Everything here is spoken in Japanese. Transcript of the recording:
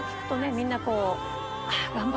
みんなこう。